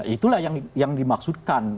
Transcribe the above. itulah yang dimaksudkan